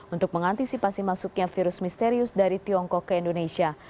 untuk mengantisipasi masuknya virus misterius dari tiongkok ke indonesia